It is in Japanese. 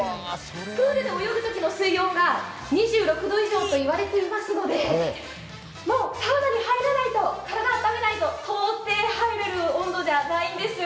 プールで泳ぐときの水温が２６度以上といわれていますので、もうサウナに入らないと、体を暖めないと到底、入れる温度じゃないんです。